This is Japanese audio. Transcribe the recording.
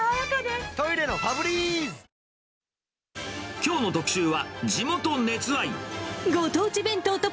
きょうの特集は、地元熱愛。